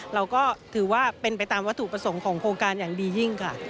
เราก็ถือว่าเป็นไปตามวัตถุประสงค์ของโครงการอย่างดียิ่งค่ะ